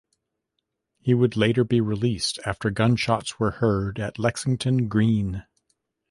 He would later be released after gunshots were heard at Lexington Green.